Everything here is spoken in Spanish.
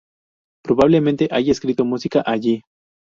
Probablemente haya escrito música allí.